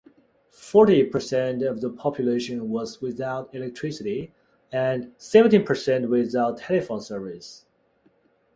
Forty percent of the population was without electricity and seventy percent without telephone service.